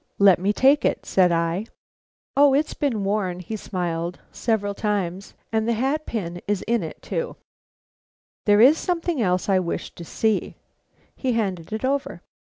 "Let me take it," said I. "O, it's been worn," he smiled, "several times. And the hat pin is in it, too." "There is something else I wish to see." He handed it over.